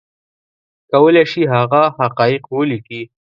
کولی شي هغه حقایق ولیکي